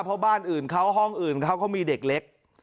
เพราะบ้านอื่นเขาห้องอื่นเขาเขามีเด็กเล็ก